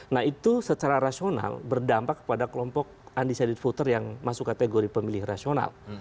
nah itu secara rasional berdampak pada kelompok undecided voter yang masuk kategori pemilih rasional